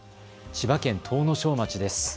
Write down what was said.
千葉県東庄町です。